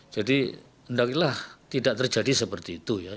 jadi tidak terjadi seperti itu ya